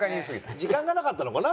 時間がなかったのかな？